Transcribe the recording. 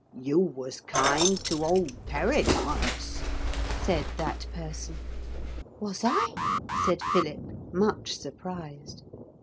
'You was kind to old Perrin once,' said that person. 'Was I?' said Philip, much surprised.